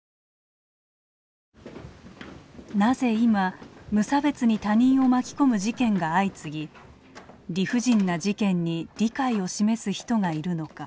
なぜ今無差別に他人を巻き込む事件が相次ぎ理不尽な事件に理解を示す人がいるのか。